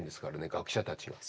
学者たちが。